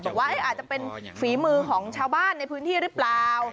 บอกว่าอาจจะเป็นฝีมือของชาวบ้านในพื้นที่หรือเปล่า